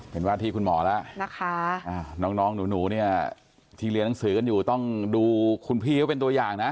เป็นว่าที่คุณหมอแล้วนะคะน้องหนูเนี่ยที่เรียนหนังสือกันอยู่ต้องดูคุณพี่เขาเป็นตัวอย่างนะ